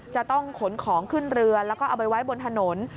จะต้องขนของขึ้นเรือแล้วก็เอาไปไว้บนถนน